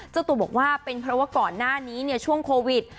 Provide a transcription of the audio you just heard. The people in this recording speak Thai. เจ้าตัวบอกว่าเป็นเพราะว่าก่อนหน้านี้ช่วงโควิด